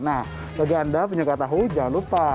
nah bagi anda penyuka tahu jangan lupa